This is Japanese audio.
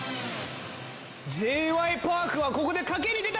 Ｊ．Ｙ．Ｐａｒｋはここで賭けに出た！